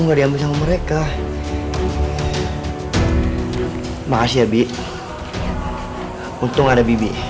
nggak diambil sama mereka maaf ya bi untung ada bibi